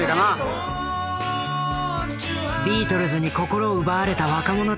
ビートルズに心奪われた若者たち。